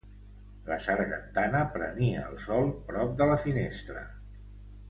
La sargantana prenia el sol prop de la finestra.